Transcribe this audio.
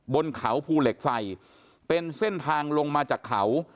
บนเขาภูเหล็กไฟเป็นเส้นทางลงมาจากเขา